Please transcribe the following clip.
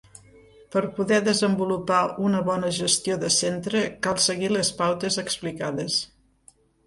Per a poder desenvolupar una bona gestió de centre cal seguir les pautes explicades.